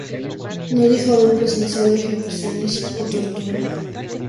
No dijo haber presenciado ejecuciones o tortura.